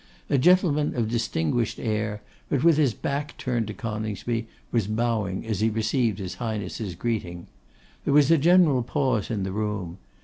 A gentleman, of distinguished air, but with his back turned to Coningsby, was bowing as he received his Highness' greeting. There was a general pause in the room.